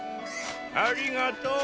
ありがとう。